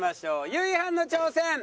ゆいはんの挑戦。